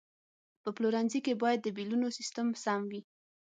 په پلورنځي کې باید د بیلونو سیستم سم وي.